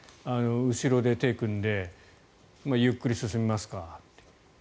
後ろで手を組んでゆっくり進みますかって。